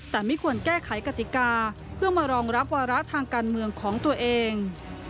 แต่ไม่ควรแก้ไขกติกาเพื่อมารองรับวาระทางการเมืองของตัวเอง